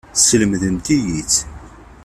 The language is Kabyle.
Teslemdemt-iyi-tt.